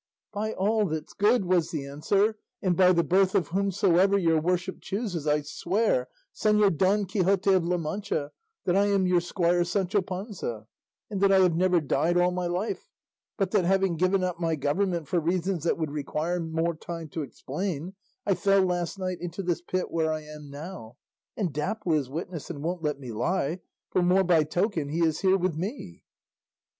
"By all that's good," was the answer, "and by the birth of whomsoever your worship chooses, I swear, Señor Don Quixote of La Mancha, that I am your squire Sancho Panza, and that I have never died all my life; but that, having given up my government for reasons that would require more time to explain, I fell last night into this pit where I am now, and Dapple is witness and won't let me lie, for more by token he is here with me."